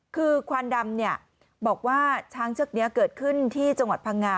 คือควันดำบอกว่าช้างเชือกนี้เกิดขึ้นที่จังหวัดพังงา